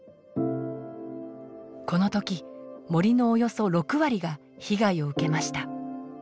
この時森のおよそ６割が被害を受けました。